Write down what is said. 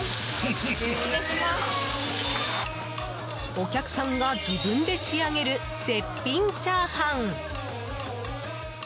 お客さんが自分で仕上げる絶品チャーハン！